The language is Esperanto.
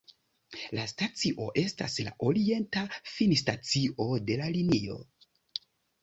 La stacio estas la orienta finstacio de la linio.